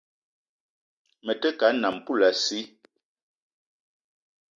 Me te ke a nnam poulassi